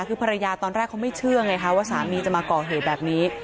คือภรรยาตอนแรกเขาไม่เชื่อไงคะว่าสามีจะมาก่อเหตุแบบนี้